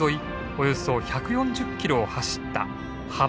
およそ１４０キロを走った羽幌線。